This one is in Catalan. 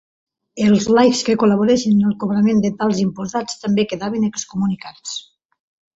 Els laics que col·laboressin en el cobrament de tals imposats també quedaven excomunicats.